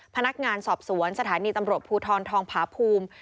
พนักงานสอบสวนสถานีตำรวจภูทรทองผาภูมิ